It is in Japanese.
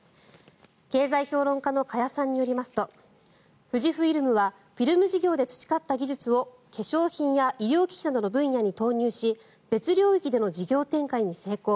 経済評論家の加谷さんによりますと富士フイルムはフィルム事業で培った技術を化粧品や医療機器などの分野に投入し別領域での事業展開に成功。